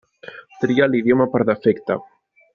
Tria l'idioma per defecte.